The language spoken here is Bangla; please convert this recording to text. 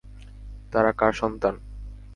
তারা কার সন্তান?